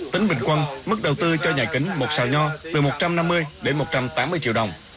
tính bình quân mức đầu tư cho nhà kính một sào nho từ một trăm năm mươi đến một trăm tám mươi triệu đồng